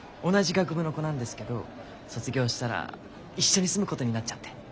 同じ学部の子なんですけど卒業したら一緒に住むことになっちゃって。